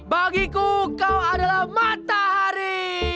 bagiku kau adalah matahari